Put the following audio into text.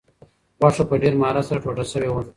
غوښه په ډېر مهارت سره ټوټه شوې وه.